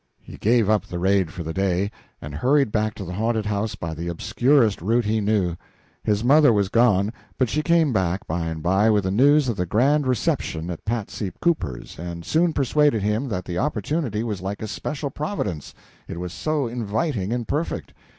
He gave up the raid for the day, and hurried back to the haunted house by the obscurest route he knew. His mother was gone; but she came back, by and by, with the news of the grand reception at Patsy Cooper's, and soon persuaded him that the opportunity was like a special providence, it was so inviting and perfect.